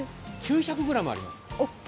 ９００ｇあります。